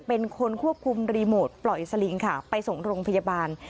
เป็นคนควบคุมรีโมทปล่อยสลิงค่ะไปส่งโรงพยาบาล